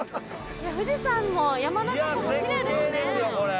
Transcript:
富士山も山中湖も奇麗ですね。